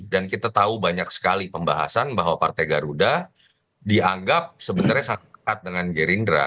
dan kita tahu banyak sekali pembahasan bahwa partai garuda dianggap sebenarnya sangat dekat dengan gerindra